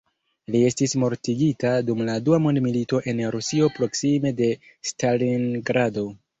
Li estis mortigita dum la Dua mondmilito en Rusio proksime de Stalingrado.